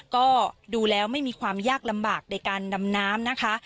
ก็ดูแล้วไม่มีความยากลำบากในการดำน้ำนะคะ